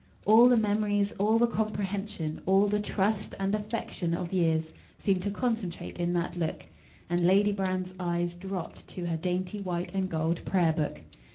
All the memories, all the comprehension, all the trust and affection of years, seemed to concentrate in that look; and Lady Brand's eyes dropped to her dainty white and gold prayer book.